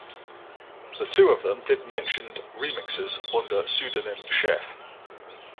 The two of them did mentioned remixes under pseudonym Chef.